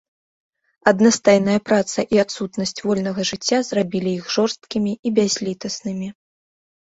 Аднастайная праца і адсутнасць вольнага жыцця зрабілі іх жорсткімі і бязлітаснымі.